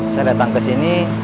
saya datang kesini